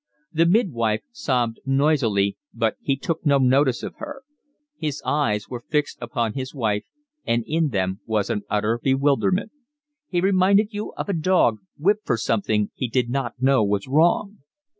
The midwife sobbed noisily, but he took no notice of her. His eyes were fixed upon his wife, and in them was an utter bewilderment. He reminded you of a dog whipped for something he did not know was wrong.